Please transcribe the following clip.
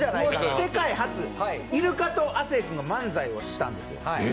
世界初、イルカと亜生君が漫才をしたんですよ。